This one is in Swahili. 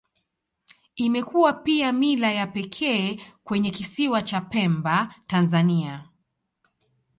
Imekuwa pia mila ya pekee kwenye Kisiwa cha Pemba, Tanzania.